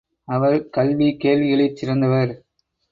அவர் கல்வி கேள்விகளிற் சிறந்தவர்.